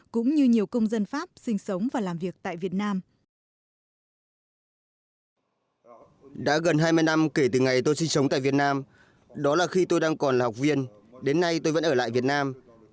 cũng như nhiều công dân pháp sinh sống và làm việc tại việt nam